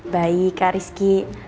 baik kak rizky